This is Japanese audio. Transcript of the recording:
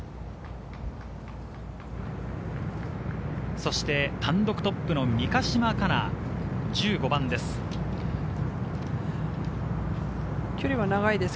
そして単独トップの三ヶ島かな、１５番です。